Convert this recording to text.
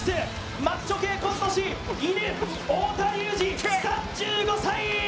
マッチョ系コント師、いぬ太田隆司３５歳。